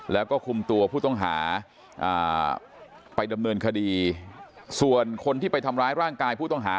แล้วก็คุมตัวผู้ต้องหาไปดำเนินคดีส่วนคนที่ไปทำร้ายร่างกายผู้ต้องหา